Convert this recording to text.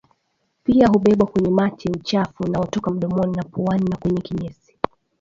Pia hubebwa kwenye mate uchafu unaotoka mdomoni na puani na kwenye kinyesi